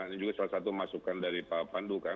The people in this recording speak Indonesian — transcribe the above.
ini juga salah satu masukan dari pak pandu kan